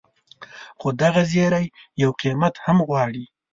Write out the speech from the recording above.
خو دغه زیری یو قیمت هم غواړي.